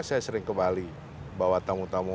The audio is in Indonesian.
saya sering ke bali bawa tamu tamu